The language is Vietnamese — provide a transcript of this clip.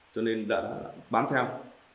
cho nên đã bán theo